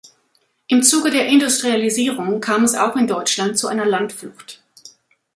Im Zuge der Industrialisierung kam es auch in Deutschland zu einer Landflucht.